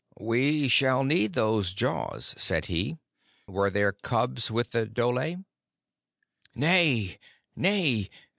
"We shall need those jaws," said he. "Were their cubs with the dhole?" "Nay, nay.